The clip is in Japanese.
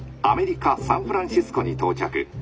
アメリカ・サンフランシスコに到着。